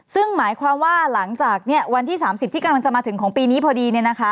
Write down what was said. ซึ่งหมายความว่าหลังจากวันที่๓๐ที่กำลังจะมาถึงของปีนี้พอดี